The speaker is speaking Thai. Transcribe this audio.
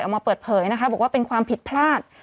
ออกมาเปิดเผยนะคะบอกว่าเป็นความผิดพลาด